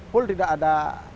pool tidak ada